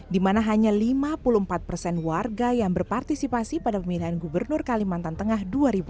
di mana hanya lima puluh empat persen warga yang berpartisipasi pada pemilihan gubernur kalimantan tengah dua ribu delapan belas